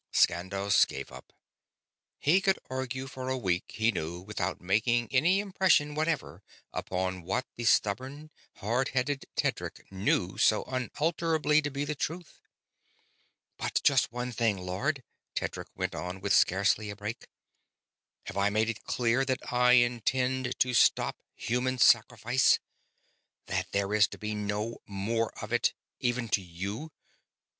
Skandos gave up. He could argue for a week, he knew, without making any impression whatever upon what the stubborn, hard headed Tedric knew so unalterably to be the truth. "But just one thing, Lord," Tedric went on with scarcely a break. "Have I made it clear that I intend to stop human sacrifice? That there is to be no more of it, even to you?